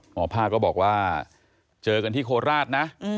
ผ้าก็บอกว่าเจอกันที่โคราชนะ